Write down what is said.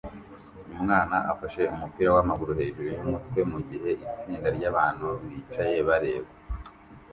Umwana afashe umupira wamaguru hejuru yumutwe mugihe itsinda ryabantu bicaye bareba